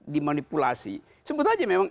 dimanipulasi sebut aja memang